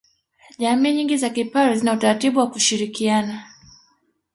Jamii nyingi za kipare zina utaratibu wa kushirikiana